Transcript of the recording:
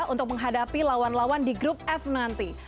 untuk menghadapi lawan lawan di grup f nanti